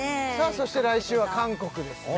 そして来週は韓国ですね